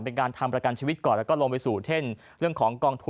เป็นการทำประกันชีวิตก่อนแล้วก็ลงไปสู่เช่นเรื่องของกองทุน